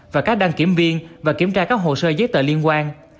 và các đăng kiểm viên và kiểm tra các hồ sơ giấy tờ liên quan